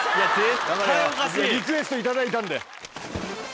リクエスト頂いたんで。